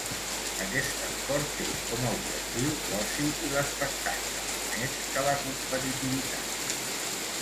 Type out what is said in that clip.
Aquest esport té com a objectiu l'oci i l'espectacle, més que la competitivitat.